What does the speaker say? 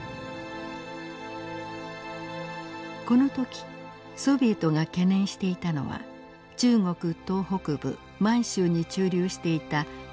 この時ソビエトが懸念していたのは中国東北部満州に駐留していた日本の関東軍でした。